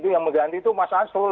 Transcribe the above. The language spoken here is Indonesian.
yang mengganti itu mas asro